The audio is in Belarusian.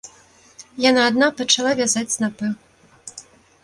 Яна адна пачала вязаць снапы.